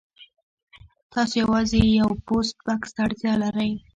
تاسو یوازې یو پوسټ بکس ته اړتیا لرئ